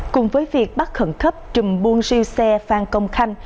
cùng với việc bắt khẩn khấp trùm buôn siêu xe phan công khanh